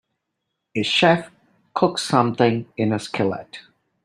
A chef cooks something in a skillet.